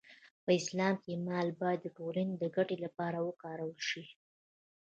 په اسلام کې مال باید د ټولنې د ګټې لپاره وکارول شي.